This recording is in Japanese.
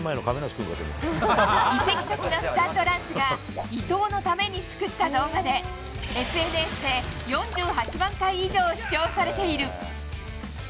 移籍先のスタッド・ランスが伊東のために作った動画で、ＳＮＳで４８万回以上視聴されている。